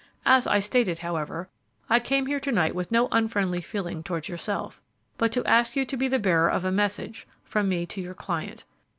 As I stated, however, I came here to night with no unfriendly feeling towards yourself, but to ask you to be the bearer of a message from me to your client.